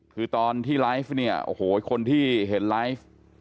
คือตอนที่ไลฟ์เนี่ยโอ้โหคนที่เห็นไลฟ์